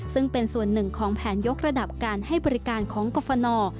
ซึ่งเป็นส่วนหนึ่งของแผนยกระดับการให้บริการของกรฟน